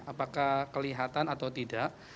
apakah kelihatan atau tidak